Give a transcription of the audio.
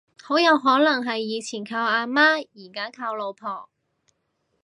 好有可能係以前靠阿媽而家靠老婆